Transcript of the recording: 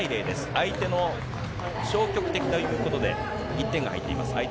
相手の消極的ということで、１点が入っています。